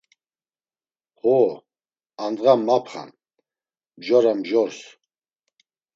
Ho, andğa mapxa'n, mjora mjors.